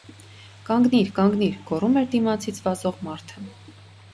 - Կանգնի՛ր, կանգնի՛ր,- գոռում էր դիմացից վազող մարդը: